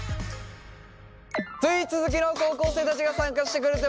スイーツ好きの高校生たちが参加してくれてます。